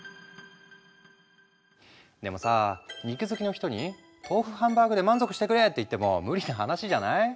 でもさ肉好きの人に豆腐ハンバーグで満足してくれって言っても無理な話じゃない？